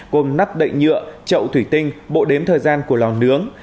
gồm nắp đậy nhựa trậu thủy tinh bộ đếm thời gian của lò nướng